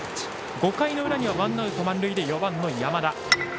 ５回の裏にはワンアウト満塁で４番の山田。